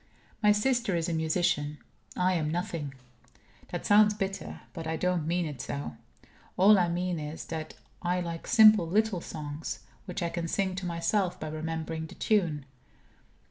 My sister is a musician I am nothing. That sounds bitter; but I don't mean it so. All I mean is, that I like simple little songs, which I can sing to myself by remembering the tune.